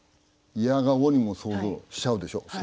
いやがおうにも想像しちゃうでしょ？